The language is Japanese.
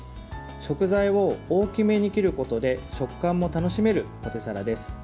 食材を大きめに切ることで食感も楽しめるポテサラです。